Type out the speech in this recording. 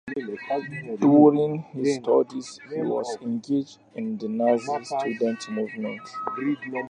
During his studies he was engaged in the Nazi student movement.